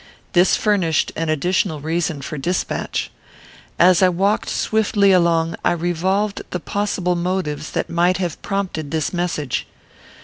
This furnished an additional reason for despatch. As I walked swiftly along, I revolved the possible motives that might have prompted this message.